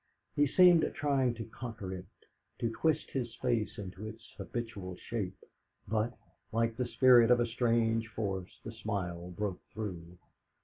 He seemed trying to conquer it, to twist his face into its habitual shape, but, like the spirit of a strange force, the smile broke through.